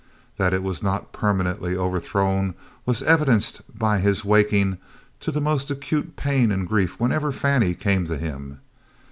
That it was not permanently overthrown was evidenced by his waking to the most acute pain and grief whenever Fannie came to him.